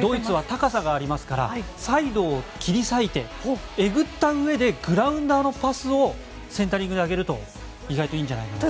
ドイツは高さがありますからサイドを切り裂いてえぐったうえでグラウンダーのパスをセンタリングで上げると意外といいんじゃないかと。